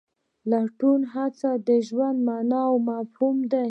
لټون او هڅه د ژوند مانا او مفهوم دی.